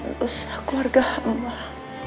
dosa keluarga allah